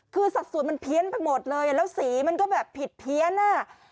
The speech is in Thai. คือสัดส่วนมันเพี้ยนไปหมดเลยแล้วสีมันก็แบบผิดเพี้ยนอ่ะ